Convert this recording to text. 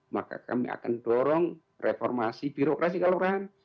maka kami akan dorong reformasi birokrasi kelurahan